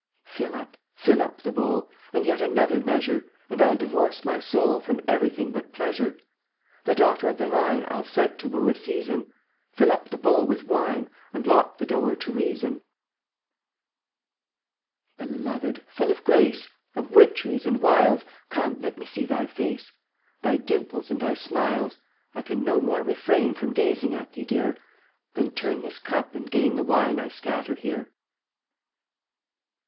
Fill up, fill up the bowl, And yet another measure, And I'll divorce my soul From everything but pleasure; The daughter of the vine I'll set to woo a season; Fill up the bowl with wine And lock the door to Reason. eun<j foyftffl Beloved, full of grace, ' Of witcheries and wiles, (JvC' Come, let me see thy face, Thy dimples and thy smiles. I can no more refrain From gazing at thee, Dear, Than turn this cup and gain The wine I scatter here.